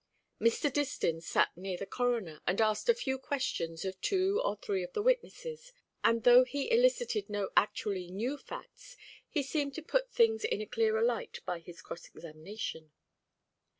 Mr. Distin sat near the Coroner, and asked a few questions of two or three of the witnesses; and though he elicited no actually new facts, he seemed to put things in a clearer light by his cross examination.